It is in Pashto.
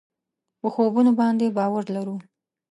په خوبونو باندې باور لرو.